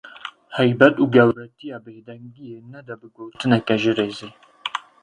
Heybet û gewretiya bêdengiyê nede bi gotineke ji rêzê.